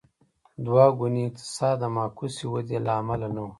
دوه ګونی اقتصاد د معکوسې ودې له امله نه و.